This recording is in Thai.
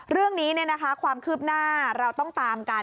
เรื่องนี้ความคืบหน้าเราต้องตามกัน